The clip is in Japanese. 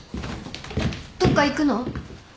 どっか行くの？